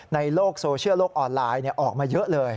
ในโลกโซเชียลโลกออนไลน์ออกมาเยอะเลย